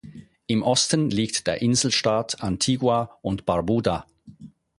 Im Osten liegt der Inselstaat Antigua und Barbuda.